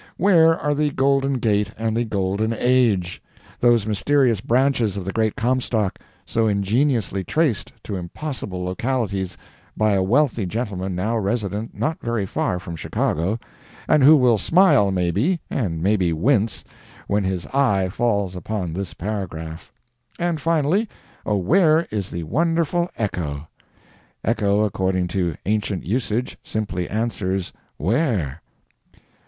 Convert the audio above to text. Where are the Golden Gate and the Golden Age?—those mysterious branches of the great Comstock, so ingeniously traced to impossible localities by a wealthy gentleman now resident not very far from Chicago, and who will smile, maybe, and maybe wince, when his eye falls upon this paragraph. And finally, Oh were is the wonderful Echo? [Echo, according to ancient usage, simply answers, Where?